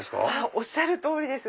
おっしゃる通りです！